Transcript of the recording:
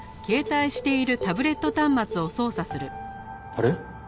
あれ？